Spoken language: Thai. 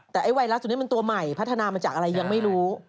แต่ไอ้ไวรัสตัวนี้มันตัวใหม่พัฒนามาจากอะไรยังไม่รู้